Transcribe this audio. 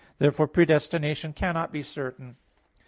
Therefore predestination cannot be certain.